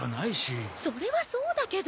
それはそうだけど。